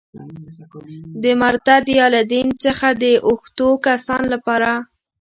د مرتد یا له دین څخه د اوښتو کسانو لپاره.